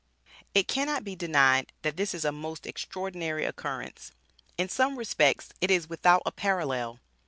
It cannot be denied that this is a most extraordinary occurrence. In some respects it is without a parallel.